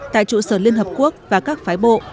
tại trụ sở liên hợp quốc và các phái bộ